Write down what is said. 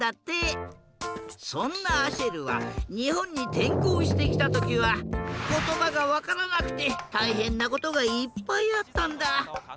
そんなアシェルはにほんにてんこうしてきたときはことばがわからなくてたいへんなことがいっぱいあったんだ。